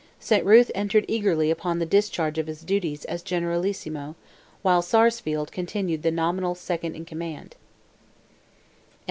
Saint Ruth entered eagerly upon the discharge of his duties as generalissimo, while Sarsfield continued the nominal second in command.